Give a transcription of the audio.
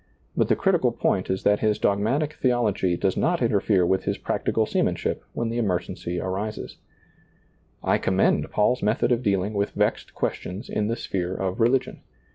But the critical point is that his dogmatic theology does not interfere with his practical seamanship when the emergency I commend Paul's method of dealing with vexed questions in the sphere of religion.